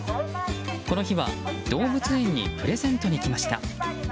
この日は動物園にプレゼントに来ました。